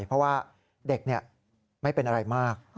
เพราะว่าเด็กไม่เป็นอะไรมาก